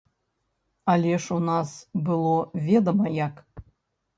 Але ж у нас было ведама як.